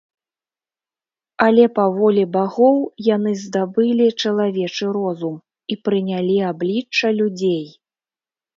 Але па волі багоў яны здабылі чалавечы розум і прынялі аблічча людзей.